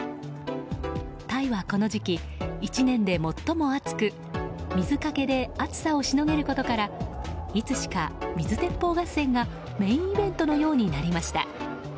タイは、この時期１年で最も暑く水かけで暑さをしのげることからいつしか水鉄砲合戦がメインイベントのようになりました。